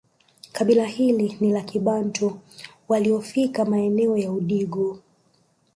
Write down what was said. Kabila hili ni la kibantu waliofika maeneo ya Udigo